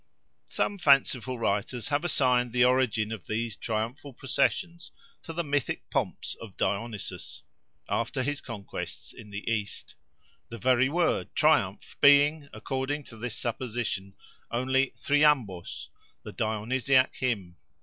Some fanciful writers have assigned the origin of these triumphal processions to the mythic pomps of Dionysus, after his conquests in the East; the very word Triumph being, according to this supposition, only Thriambos the Dionysiac Hymn.